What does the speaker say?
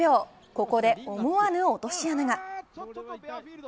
ここで思わぬ落とし穴が。